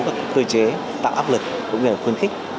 cái thứ ba là năng lực cơ chế tạo áp lực cũng như là khuyến khích